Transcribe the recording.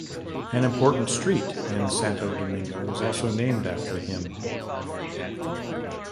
An important street in Santo Domingo is also named after him.